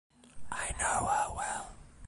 I know her well.